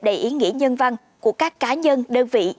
đầy ý nghĩa nhân văn của các cá nhân đơn vị